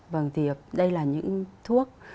vâng thì đây là những thuốc